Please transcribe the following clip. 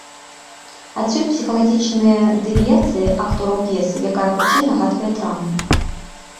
Адсюль псіхалагічныя дэвіяцыі актораў п'есы, якая хутчэй нагадвае драму.